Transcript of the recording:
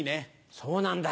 そうなんだ。